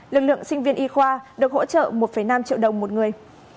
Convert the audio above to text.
lực lượng sinh viên y khoa được hỗ trợ một năm triệu đồng một người